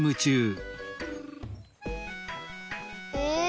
え？